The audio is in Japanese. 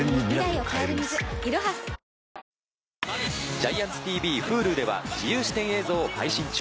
ＧＩＡＮＴＳＴＶ、Ｈｕｌｕでは自由視点映像を配信中。